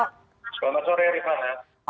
selamat sore pak nath